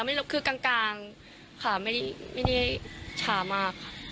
ไม่ได้ลบคือกลางกลางค่ะไม่ได้ไม่ได้ช้ามาก